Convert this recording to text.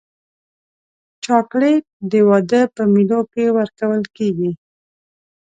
چاکلېټ د واده په مېلو کې ورکول کېږي.